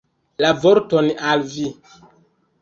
Ia vorton al vi.